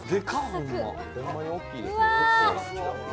うわ！